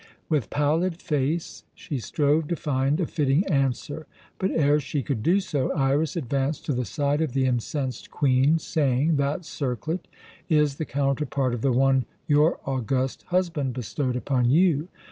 With pallid face she strove to find a fitting answer, but ere she could do so Iras advanced to the side of the incensed Queen, saying: "That circlet is the counterpart of the one your august husband bestowed upon you.